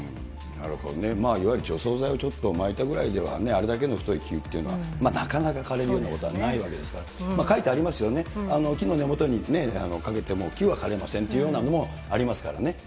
なるほどね、いわゆる除草剤をちょっとまいたぐらいではね、あれぐらいの太い木というのはなかなか枯れるようなことはないわけですから、書いてありますよね、木の根元にね、かけても、木は枯れませんというようなものもありますからね。